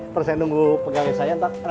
perlu saya nunggu pegawai saya ntar